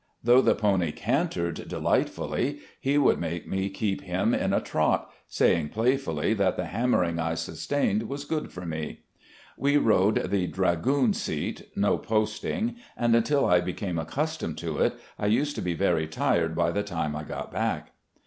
Though the pony cantered delight fully, he would make me keep him in a trot, saying play fully that the hammering I sustained was good for me. We rode the dragoon seat, no posting, and imtil I became 12 RECOLLECTIONS OF GENERAL LEE accustomed to it I used to be very tired by the time I got back.